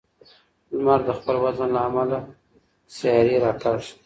لمر د خپل وزن له امله سیارې راکاږي.